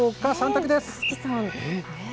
３択です。